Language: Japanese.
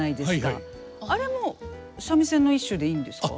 あれも三味線の一種でいいんですか？